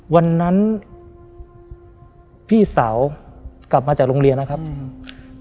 วันนั้นพี่สาวกลับมาจากโรงเรียนนะครับอืม